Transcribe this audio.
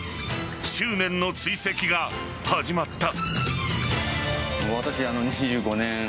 執念の追跡が始まった。